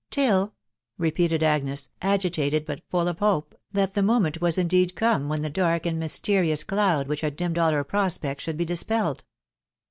*' a fill !".... repeated Agnes, agitated, bnt full of hope that the moment was indeed come when the dark and mysterious cloud which had dimmed all her prospects should he dispelled.